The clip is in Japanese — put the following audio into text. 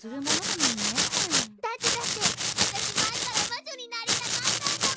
「だってだって私前から魔女になりたかったんだもん」